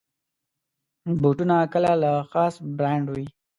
بوټونه کله له خاص برانډ وي.